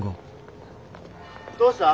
どうした？